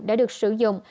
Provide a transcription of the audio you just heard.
đã được sử dụng